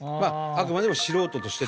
あくまでも素人として。